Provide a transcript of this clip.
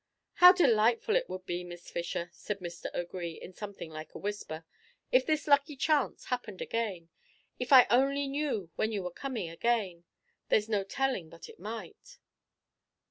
"How delightful it would be, Miss Fisher," said Mr. O'Gree, in something like a whisper, "if this lucky chance happened again. If I only knew when you were coming again, there's no telling but it might."